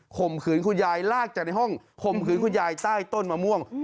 ข่มขืนคุณยายลากจากในห้องข่มขืนคุณยายใต้ต้นมะม่วง